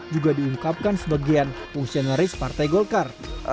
juga diungkapkan sebagian fungsionaris partai golkar